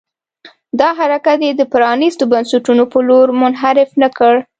دا حرکت یې د پرانيستو بنسټونو په لور منحرف نه کړ.